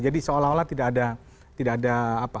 jadi seolah olah tidak ada